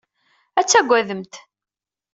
Ad tagademt.